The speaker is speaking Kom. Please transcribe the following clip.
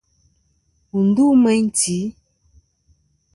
Wù ndu meyn tì.